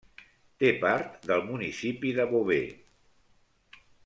Té part del municipi de Beauvais.